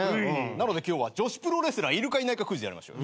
なので今日は女子プロレスラーいるかいないかクイズやりましょう。